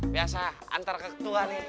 biasa antar ketua nih